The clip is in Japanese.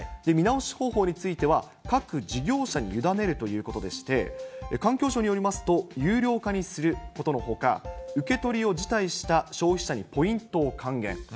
見直し方法については、各事業者に委ねるということでして、環境省によりますと、有料化にすることのほか、受け取りを辞退した消費者にポイントを還元。